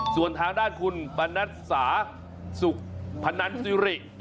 ส่วนทางด้านคุณปนัดสาสุขพนันซิริ